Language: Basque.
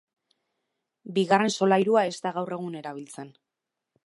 Bigarren solairua ez da gaur egun erabiltzen.